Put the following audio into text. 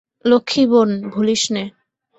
লক্ষ্মী বোন, ভুলিস নে।